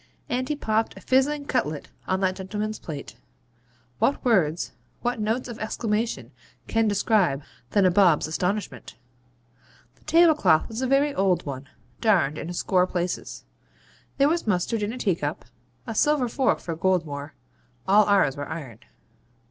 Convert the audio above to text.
And he popped a fizzing cutlet on that gentleman's plate. What words, what notes of exclamation can describe the nabob's astonishment? The tablecloth was a very old one, darned in a score places. There was mustard in a teacup, a silver fork for Goldmore all ours were iron.